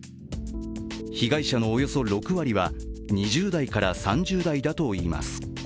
被害者のおよそ６割は２０代から３０代だといいます。